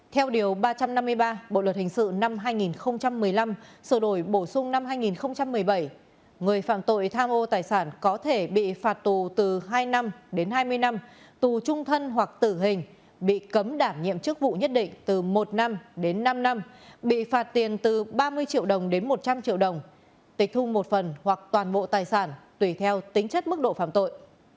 theo điều ba trăm năm mươi ba bộ luật hình sự năm hai nghìn một mươi năm sửa đổi bổ sung năm hai nghìn một mươi bảy người phạm tội tham ô tài sản có thể bị phạt tù từ hai năm đến hai mươi năm tù trung thân hoặc tử hình bị cấm đảm nhiệm chức vụ nhất định từ một năm đến năm năm bị phạt tiền từ ba mươi triệu đồng đến một trăm linh triệu đồng tịch thu một phần hoặc toàn bộ tài sản tùy theo tính chất mức độ phạm tội